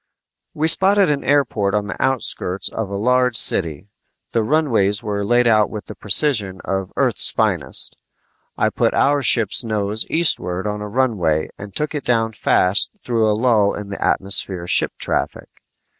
We spotted an airport on the outskirts of a large city. The runways were laid out with the precision of Earth's finest. I put our ship's nose eastward on a runway and took it down fast through a lull in the atmosphere ship traffic.